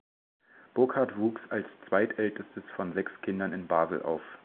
Burckhardt wuchs als zweitältestes von sechs Kindern in Basel auf.